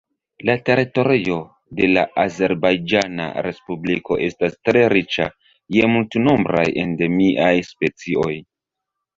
La teritorio de la Azerbajĝana Respubliko estas tre riĉa je multnombraj endemiaj specioj.